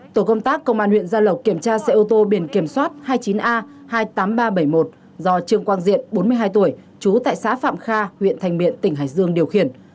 tổ công tác công an huyện gia lộc kiểm tra xe ô tô biển kiểm soát hai mươi chín a hai mươi tám nghìn ba trăm bảy mươi một do trương quang diện bốn mươi hai tuổi trú tại xã phạm kha huyện thành miện tỉnh hải dương điều khiển